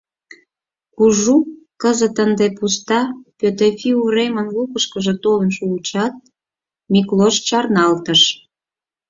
Кужу, кызыт ынде пуста Пӧтӧфи уремын лукышкыжо толын шуычат, Миклош чарналтыш.